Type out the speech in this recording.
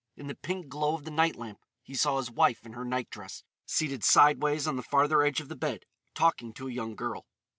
In the pink glow of the night lamp he saw his wife in her night dress, seated sideways on the farther edge of the bed, talking to a young girl.